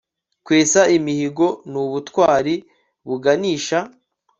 kwesa imihigo ni ubutwari buganisha